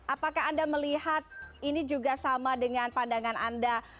apakah anda melihat ini juga sama dengan pandangan anda